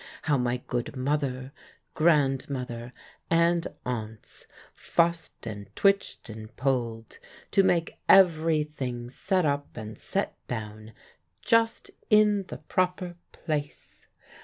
how my good mother, grandmother, and aunts fussed, and twitched, and pulled, to make every thing set up and set down, just in the proper place!